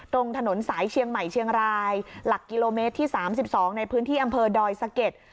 ตรงถนนสายเชียงใหม่เชียงรายหลักกิโลเมตรที่๓๒ในพื้นที่อำเภอดอยสะเก็ด